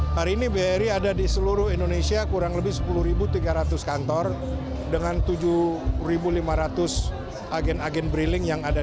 hari ini bri ada di seluruh indonesia kurang lebih sepuluh tiga ratus kantor dengan tujuh lima ratus agen agen briling yang ada di